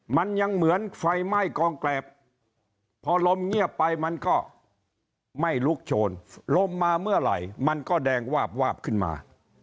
มันยังเหมือนไฟไหม้กองแกรบพอลมเงียบไปมันก็ไม่ลุกโชนลมมาเมื่อไหร่มันก็แดงวาบวาบขึ้นมา